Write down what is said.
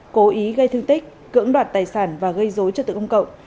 cố ý gây thương tích cưỡng đoạt tài sản và gây dối trật tự công cộng